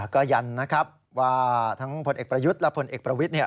ก็ยันนะครับว่าทั้งพลเอกประยุทธ์และผลเอกประวิทย์